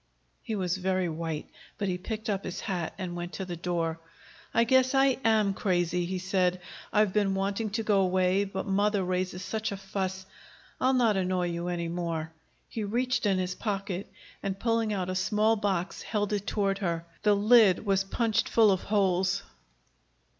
He was very white, but he picked up his hat and went to the door. "I guess I AM crazy," he said. "I've been wanting to go away, but mother raises such a fuss I'll not annoy you any more." He reached in his pocket and, pulling out a small box, held it toward her. The lid was punched full of holes.